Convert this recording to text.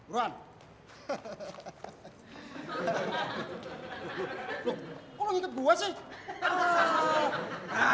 loh kok lo ngikat dua sih